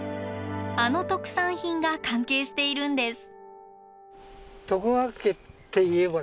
あの特産品が関係しているんです。